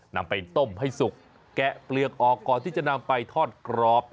นำไปต้มให้สุกแกะเปลือกออกก่อนที่จะนำไปทอดกรอบ